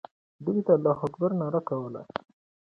دوی د الله اکبر ناره کوله.